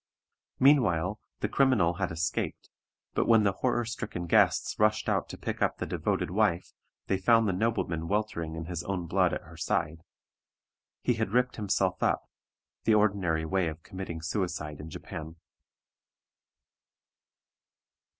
Meanwhile the criminal had escaped; but when the horror stricken guests rushed out to pick up the devoted wife, they found the nobleman weltering in his own blood at her side. He had ripped himself up, the ordinary way of committing suicide in Japan.